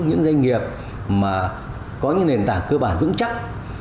những doanh nghiệp mà có những nền tảng cơ bản vững chắc